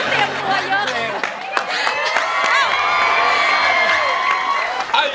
ต้องเตรียมตัวเยอะ